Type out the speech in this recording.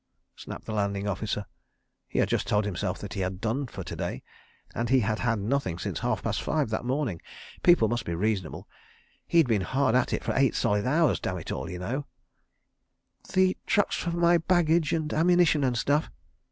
snapped the Landing Officer. He had just told himself he had done for to day—and he had had nothing since half past five that morning. People must be reasonable—he'd been hard at it for eight solid hours damitall y'know. "The trucks for my baggage and ammunition and stuff."